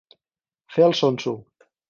Fer el sonso.